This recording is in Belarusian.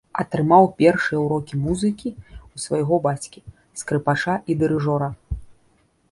Атрымаў першыя ўрокі музыкі ў свайго бацькі, скрыпача і дырыжора.